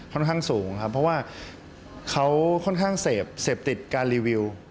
ค่อนข้างสูงครับเพราะว่าเขาค่อนข้างเสพเสพติดการรีวิว